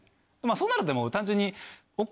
そうなるともう単純に。